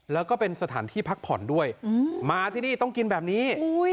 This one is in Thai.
แล้วก็เป็นสถานที่พักผ่อนด้วยมาที่นี่ต้องกินแบบนี้